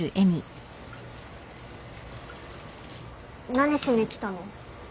何しに来たの？